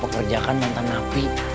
tanpa kerjaan mantan nabi